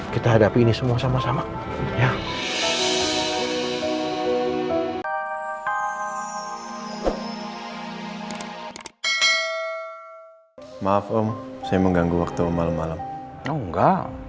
kita hadapi ini semua sama sama ya